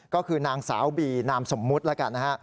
ก็คือนางสาวบีนามสมมุติแล้วกันนะฮะ